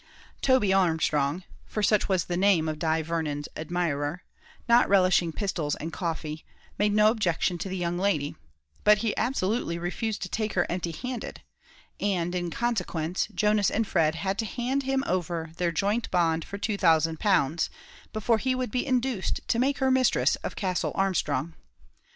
Toby Armstrong for such was the name of Di Vernon's admirer not relishing pistols and coffee, made no objection to the young lady; but he absolutely refused to take her empty handed, and, in consequence, Jonas and Fred had to hand him over their joint bond for two thousand pounds, before he would be induced to make her mistress of Castle Armstrong.